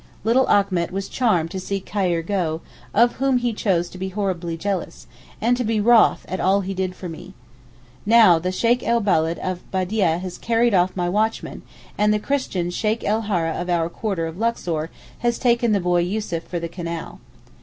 Little Achmet was charmed to see Khayr go, of whom he chose to be horribly jealous, and to be wroth at all he did for me. Now the Sheykh el Beled of Baidyeh has carried off my watchman, and the Christian Sheykh el Hara of our quarter of Luxor has taken the boy Yussuf for the Canal.